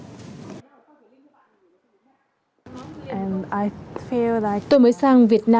tôi mới sáng sáng tôi đã tìm hiểu về tết cổ truyền của người việt nam